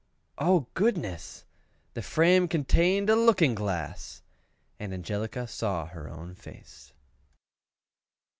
Oh goodness! the frame contained a LOOKING GLASS! and Angelica saw her own face!